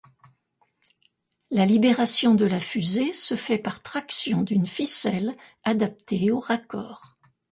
La libération de la fusée se fait par traction d'une ficelle adaptée au raccord.